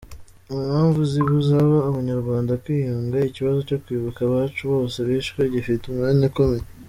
Mu mpamvu zibuza Abanyarwanda kwiyunga, ikibazo cyo kwibuka abacu bose bishwe, gifite umwanya ukomeye.